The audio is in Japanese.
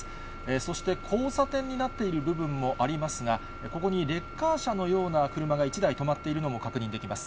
そして交差点になっている部分もありますが、ここにレッカー車のような車が１台止まっているのも確認できます。